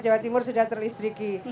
jawa timur sudah terlistriki